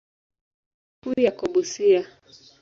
Makao makuu yako Busia.